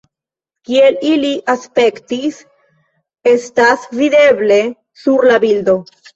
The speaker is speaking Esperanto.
Kiel ili aspektis, estas videble sur la bildo.